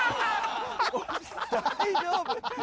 大丈夫？